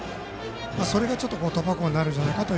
それが、ちょっと突破口になるんじゃないかと。